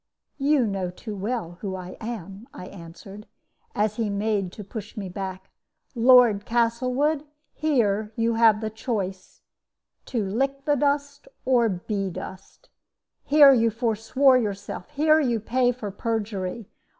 "'You know too well who I am,' I answered, as he made to push me back. 'Lord Castlewood, here you have the choice to lick the dust, or be dust! Here you forswore yourself; here you pay for perjury.